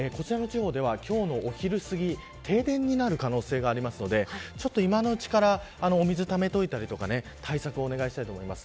こちらの地方では今日の昼すぎ停電になる可能性があるので今のうちからお水をためておいたりとか対策をお願いしたいと思います。